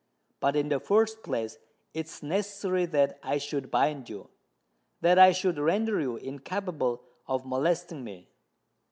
But, in the first place it is necessary that I should bind you—that I should render you incapable of molesting me."